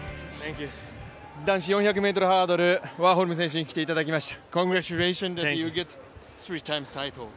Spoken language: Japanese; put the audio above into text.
男子４００ｍハードル、ワーホルム選手に来ていただきました。